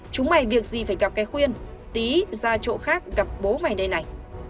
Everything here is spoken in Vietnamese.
chúng mày việc gì phải gặp cái khuyên tí ra chỗ khác gặp bố mày đây này